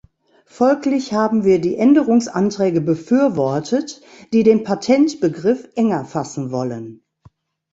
Folglich haben wir die Änderungsanträge befürwortet, die den Patentbegriff enger fassen wollen.